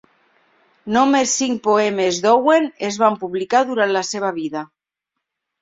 Només cinc poemes d'Owen es van publicar durant la seva vida.